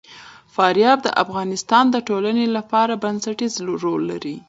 فاریاب د افغانستان د ټولنې لپاره بنسټيز رول لري.